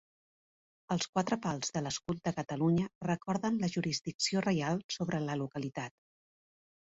Els quatre pals de l'escut de Catalunya recorden la jurisdicció reial sobre la localitat.